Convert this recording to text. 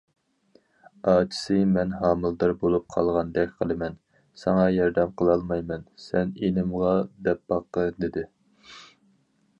ئاچىسى:« مەن ھامىلىدار بولۇپ قالغاندەك قىلىمەن، ساڭا ياردەم قىلالمايمەن، سەن ئىنىمغا دەپ باققىن» دېدى.